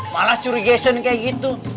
malah curigaisen kayak gitu